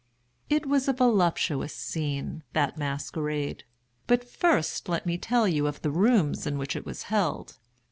It was a voluptuous scene, that masquerade. But first let me tell of the rooms in which it was held.